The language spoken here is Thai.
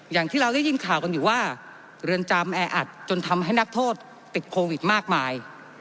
อย่างที่เราได้ยินข่าวกันอยู่ว่าเรือนจำแออัดจนทำให้นักโทษติดโควิดมากมาย